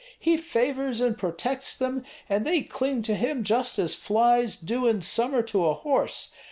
He favors and protects them, and they cling to him just as flies do in summer to a horse.